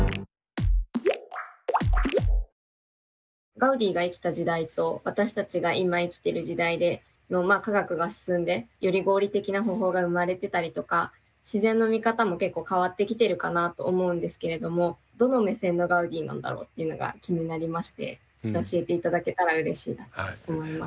ガウディが生きた時代と私たちが今生きてる時代で科学が進んでより合理的な方法が生まれてたりとか自然の見方も結構変わってきてるかなと思うんですけれどもどの目線のガウディなんだろうっていうのが気になりまして教えて頂けたらうれしいなと思います。